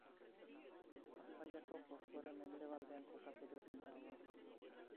Pasaiako portuaren mendebaldean kokaturik dago.